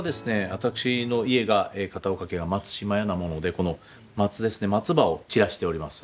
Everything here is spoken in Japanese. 私の家が片岡家が「松嶋屋」なものでこの松ですね松葉を散らしております。